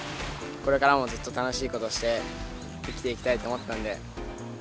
これからもずっと楽しい事して生きていきたいと思ったんで。